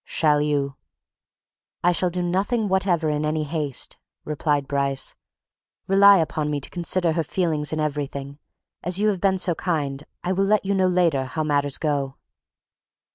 "Shall you " "I shall do nothing whatever in any haste," replied Bryce. "Rely upon me to consider her feelings in everything. As you have been so kind, I will let you know, later, how matters go."